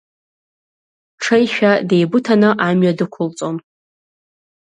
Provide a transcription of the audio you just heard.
Ҽеишәа деибыҭаны амҩа дықәылҵон.